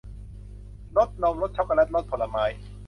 รสนม รสช็อกโกแลต รสผลไม้